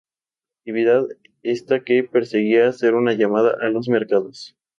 Actividad esta que perseguía hacer una llamada a los mercados.